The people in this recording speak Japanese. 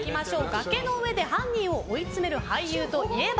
崖の上で犯人を追いつめる俳優といえば？